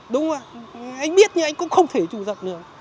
đúng ạ anh biết nhưng anh cũng không thể chủ dập được